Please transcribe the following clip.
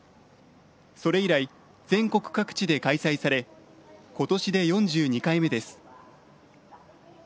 それ以来、全国各地で開催され今年で４２回目です。